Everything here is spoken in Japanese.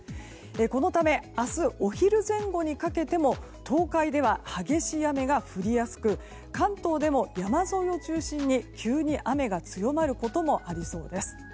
このため明日、お昼前後にかけても東海では激しい雨が降りやすく関東でも山沿いを中心に急に雨が強まることもありそうです。